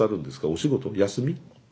お仕事休み？